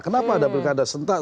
kenapa ada pilkada serentak